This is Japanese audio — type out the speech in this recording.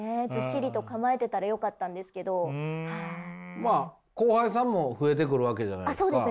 まあ後輩さんも増えてくるわけじゃないですか。